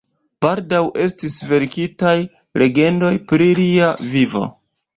Baldaŭ estis verkitaj legendoj pri lia vivo.